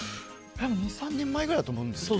２３年前からくらいだと思うんですけどね。